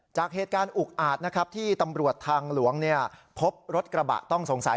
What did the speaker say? จากเหตุการณ์อุกอาจนะครับที่ตำรวจทางหลวงพบรถกระบะต้องสงสัย